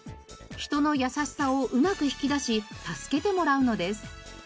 人の優しさをうまく引き出し助けてもらうのです。